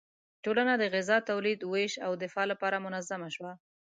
ټولنه د غذا تولید، ویش او دفاع لپاره منظم شوه.